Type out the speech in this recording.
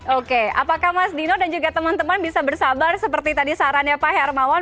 oke apakah mas dino dan juga teman teman bisa bersabar seperti tadi sarannya pak hermawan